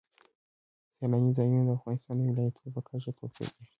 سیلانی ځایونه د افغانستان د ولایاتو په کچه توپیر لري.